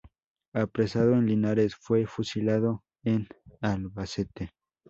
Apresado en Linares, fue fusilado en Albacete.